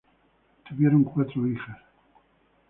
Tuvieron cuatro hijas.